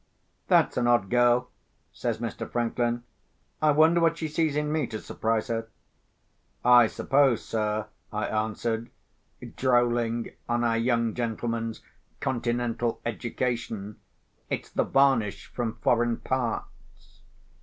"That's an odd girl," says Mr. Franklin. "I wonder what she sees in me to surprise her?" "I suppose, sir," I answered, drolling on our young gentleman's Continental education, "it's the varnish from foreign parts."